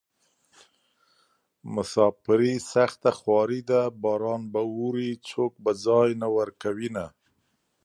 مساپري سخته خواري ده باران به اوري څوک به ځای نه ورکوينه